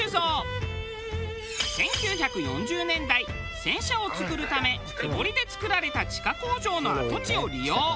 １９４０年代戦車を作るため手掘りで作られた地下工場の跡地を利用。